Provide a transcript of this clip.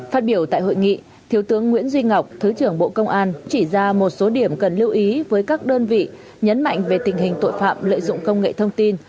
phát biểu tại hội nghị thiếu tướng nguyễn duy ngọc thứ trưởng bộ công an chỉ ra một số điểm cần lưu ý với các đơn vị nhấn mạnh về tình hình tội phạm lợi dụng công nghệ thông tin